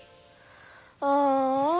ああ。